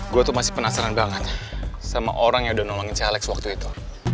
gue tuh masih penasaran banget sama orang yang udah nolongin caleg waktu itu